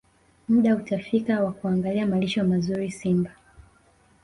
Muda utafika wa kuangalia malisho mazuri Simba